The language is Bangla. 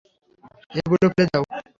এগুলো ফেলে দাও।